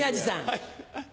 はい。